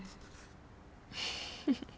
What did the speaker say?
フフフフ。